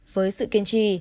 với sự kiên trì